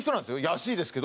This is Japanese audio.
安いですけど。